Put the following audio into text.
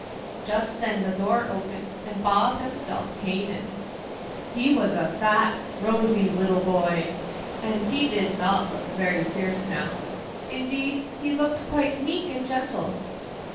Just then the door opened, and Bob himself came in. He was a fat, rosy little boy, and he did not look very fierce now; indeed, he looked quite meek and gentle.